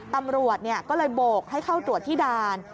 ตำรวจก็เลยโบกให้เข้าตรวจที่ด่าน